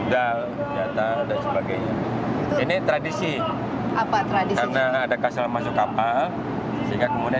udah data dan sebagainya ini tradisi karena ada kasal masuk kapal sehingga kemudian